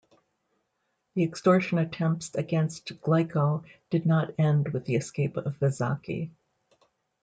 The extortion attempts against Glico did not end with the escape of Ezaki.